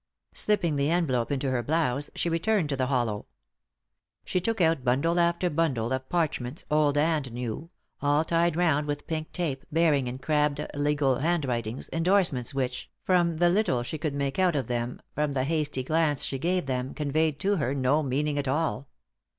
Slipping the envelope into her blouse, she returned to the hollow. She took out bundle after bundle of parchments, old and new, all tied round with pink tape, bearing, in crabbed, legal handwritings, endorsements which, from the little she could make out of them, from the hasty glance she gave them, conveyed to her no meaning at all.